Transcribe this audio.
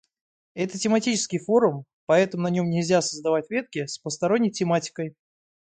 Это тематический форум, поэтому на нём нельзя создавать ветки с посторонней тематикой.